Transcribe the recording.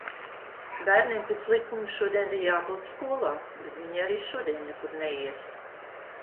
Bērniem pēc likuma šodien ir jābūt skolā, bet viņi arī šodien nekur neies.